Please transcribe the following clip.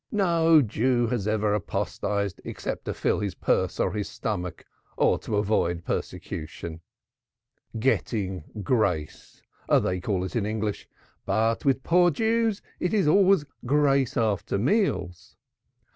No Jew has ever apostatized except to fill his purse or his stomach or to avoid persecution. 'Getting grace' they call it in English; but with poor Jews it is always grace after meals.